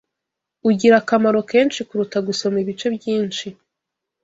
ugira akamaro kenshi kuruta gusoma ibice byinshi